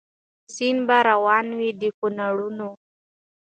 سیند به روان وي د کونړونو